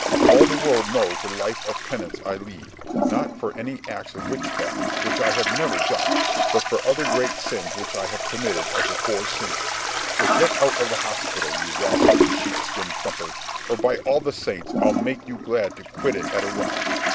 All the world knows the life of penance I lead, not for any acts of witchcraft, which I have never done, but for other great sins which I have committed as a poor sinner. So get out of the hospital, you rascally sheep skin thumper, or by all the saints I'll make you glad to quit it at a run."